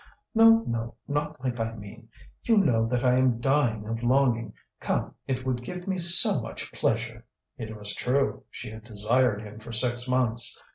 "No, no, not like I mean. You know that I am dying of longing. Come, it would give me so much pleasure." It was true, she had desired him for six months.